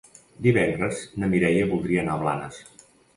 Divendres na Mireia voldria anar a Blanes.